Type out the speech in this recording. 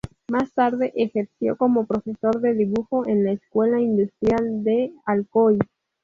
Más tarde, ejerció como profesor de dibujo en la Escuela Industrial de Alcoy.